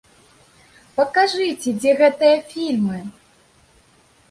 Пакажыце, дзе гэтыя фільмы!